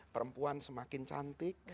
perempuan semakin cantik